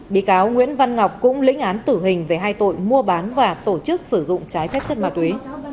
bị cáo nguyễn văn ngọc cũng lĩnh án tử hình về hai tội mua bán và tổ chức sử dụng trái phép chất ma túy